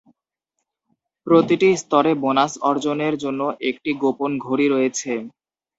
প্রতিটি স্তরে বোনাস অর্জনের জন্য একটি গোপন ঘড়ি রয়েছে।